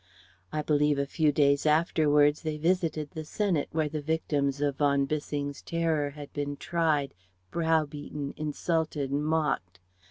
I believe a few days afterwards they visited the Senate where the victims of von Bissing's "Terror" had been tried, browbeaten, insulted, mocked.